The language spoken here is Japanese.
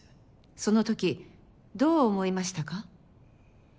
そのときどう思いましたか？